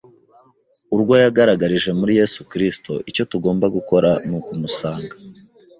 urwo yagaragarije muri Yesu kristo. Icyo tugomba gukora ni ukumusanga: